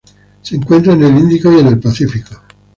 Se encuentra en el Índico y en el Pacífico.